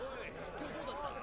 今日どうだった？